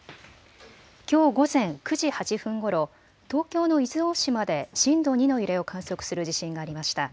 きょう午前９時８分ごろ東京の伊豆大島で震度２の揺れを観測する地震がありました。